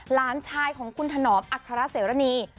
หลานชายของคุณถนอมอัครเสรณี